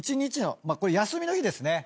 これ休みの日ですね。